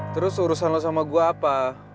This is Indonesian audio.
terus urusan lo sama gue apa